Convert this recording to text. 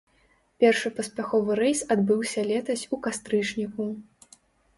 Першы паспяховы рэйс адбыўся летась у кастрычніку.